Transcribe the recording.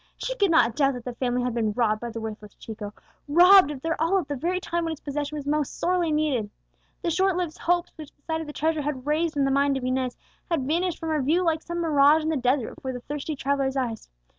She could not doubt that the family had been robbed by the worthless Chico, robbed of their all at the very time when its possession was most sorely needed. The short lived hopes which the sight of the treasure had raised in the mind of Inez, had vanished from her view like some mirage in the desert before the thirsty traveller's eyes.